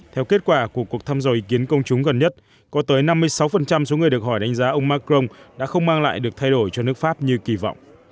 theo kết quả của cuộc thăm dò ý kiến công chúng gần nhất có tới năm mươi sáu số người được hỏi đánh giá ông macron đã không mang lại được thay đổi cho nước pháp như kỳ vọng